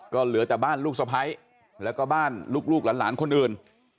ก็เหลือแต่บ้านลูกสะพ้ายแล้วก็บ้านลูกหลานคนอื่น